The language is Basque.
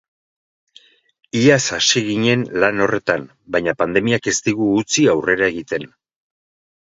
Iaz hasi ginen lan horretan, baina pandemiak ez digu utzi aurrera egiten.